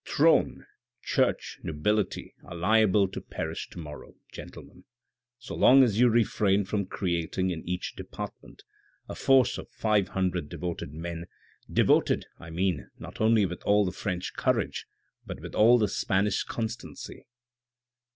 " Throne, Church, Nobility are liable to perish to morrow, gentlemen, so long as you refrain from creating in each department a force of five hundred devoted men, devoted I mean, not only with all the French courage, but with all the Spanish constancy.